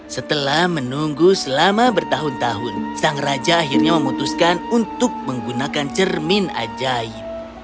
setelah menunggu selama bertahun tahun sang raja akhirnya memutuskan untuk menggunakan cermin ajaib